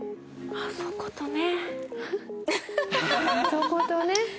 「あそことね」。